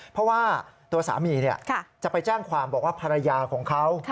เพราะว่าตัวสามีจะไปแจ้งความบอกว่าภรรยาของเขา